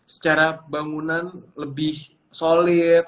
secara bangunan lebih solid